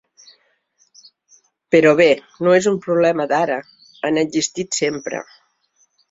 Però bé, no és un problema d’ara, han existit sempre.